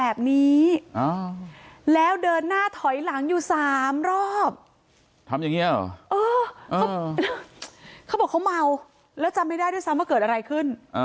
เขาบอกเขาเมาแล้วจำไม่ได้ด้วยซ้ำว่าเกิดอะไรขึ้น